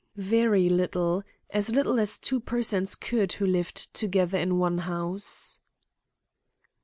"Very little; as little as two persons could who lived together in one house."